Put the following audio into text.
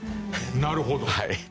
なるほど。